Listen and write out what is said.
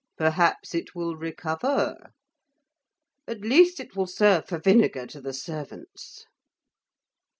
Perhaps, it will recover At least it will serve for vinegar to the servants.